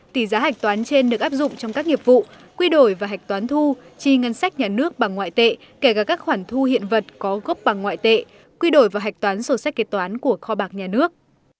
tỷ giá hạch toán trên được áp dụng trong các nghiệp vụ quy đổi và hạch toán thu chi ngân sách nhà nước bằng ngoại tệ kể cả các khoản thu hiện vật có gốc bằng ngoại tệ quy đổi và hạch toán sổ sách kế toán của kho bạc nhà nước